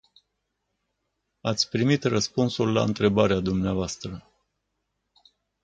Ați primit răspunsul la întrebarea dvs.